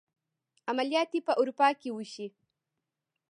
عملیات دې په اروپا کې وشي.